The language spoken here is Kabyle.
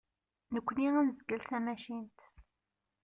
Nekni ad nezgel tamacint.